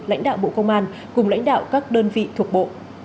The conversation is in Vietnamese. lãnh đạo bộ công an cùng lãnh đạo các đơn vị thuộc bộ